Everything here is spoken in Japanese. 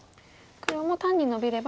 黒も単にノビれば。